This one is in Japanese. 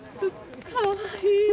かわいい。